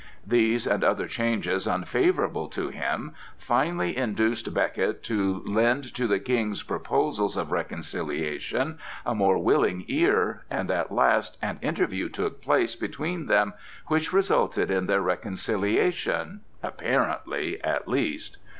These and other changes unfavorable to him finally induced Becket to lend to the King's proposals of reconciliation a more willing ear, and at last an interview took place between them which resulted in their reconciliation—apparently at least.